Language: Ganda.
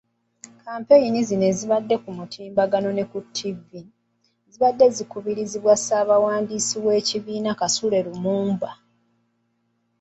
Kampeyini zino ezibadde ku mutimbagano ne Ttivi, zibadde zikubirizibwa ssabawandiisi w’ekibiina Kasule Lumumba.